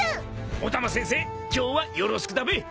お玉先生今日はよろしくだべ。